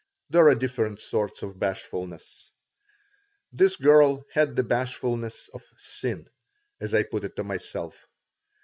There are different sorts of bashfulness. This girl had the bashfulness of sin, as I put it to myself.